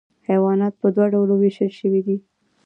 حیوانات په دوه ډلو ویشل شوي دي